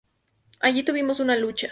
Allí tuvimos una lucha.